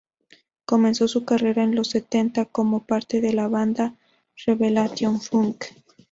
Comenzó su carrera en los setenta como parte de la banda Revelation Funk.